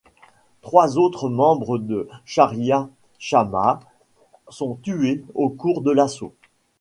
Trois autres membres de Sharia Jamaat sont tués au cours de l'assaut.